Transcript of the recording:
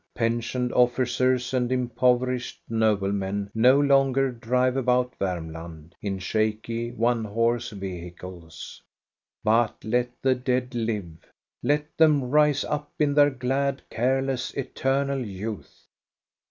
Pensioned officers and impov erished noblemen no longer drive about Varmland in shaky one horse vehicles. But let the dead live, let them rise up in their glad, careless, eternal youth